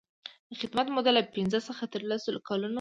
د خدمت موده له پنځه څخه تر لس کلونو.